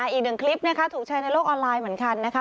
อีกหนึ่งคลิปถูกใช้ในโลกออนไลน์เหมือนกัน